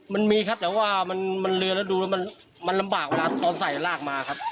มันมีครับแต่ว่าเรือดูมันลำบากก่อนใส่รากมาคร้าบ